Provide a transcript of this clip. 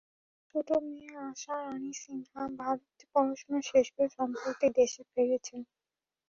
ছোট মেয়ে আশা রানী সিনহা ভারতে পড়াশোনা শেষ করে সম্প্রতি দেশে ফিরেছেন।